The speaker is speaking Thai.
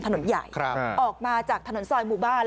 ถนนใหญ่ออกมาจากถนนซอยหมู่บ้าน